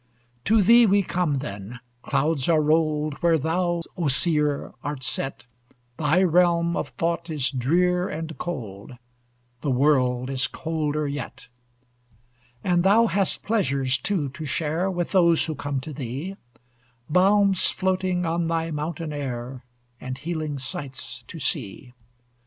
To thee we come, then! Clouds are rolled Where thou, O seer! art set; Thy realm of thought is drear and cold The world is colder yet! And thou hast pleasures, too, to share With those who come to thee Balms floating on thy mountain air, And healing sights to see.